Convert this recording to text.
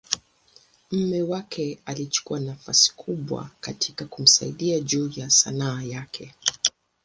mume wake alichukua nafasi kubwa katika kumsaidia juu ya Sanaa yake.